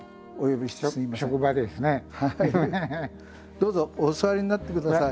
どうぞお座りになってください。